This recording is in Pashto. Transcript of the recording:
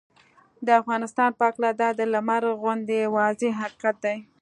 د افغانستان په هکله دا د لمر غوندې واضحه حقیقت دی